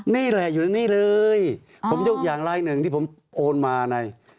นี่แหละอยู่ในนี่เลยผมยกอย่างลายหนึ่งที่ผมโอนมานะ